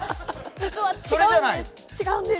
実は違うんです。